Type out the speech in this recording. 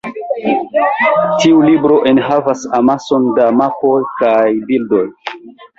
Tiu libro enhavas amason da mapoj kaj bildoj.